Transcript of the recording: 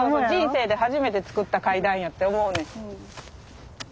人生で初めてつくった階段やって思うねん。